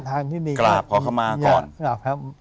ข้างนี้กราบพอเข้ามาก่อน